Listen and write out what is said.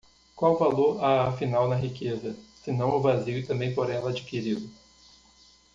qual valor há afinal na riqueza, se não o vazio também por ela adquirido?